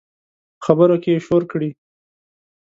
په خبرو کې یې شور کړي